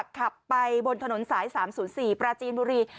ขับไปบนถนนสาย๓๐๔ปราจีนบุรี